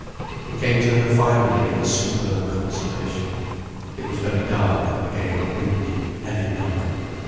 He came to her finally in a superb consummation. It was very dark, and again a windy, heavy night.